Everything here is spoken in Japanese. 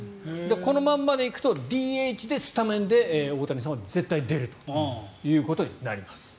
このままでいくとＤＨでスタメンで大谷さんは絶対に出るということになります。